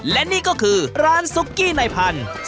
และนี่ก็คือร้านซุกกี้ในพันธุ์